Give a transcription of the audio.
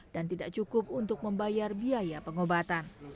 dan tidak cukup untuk membayar biaya pengobatan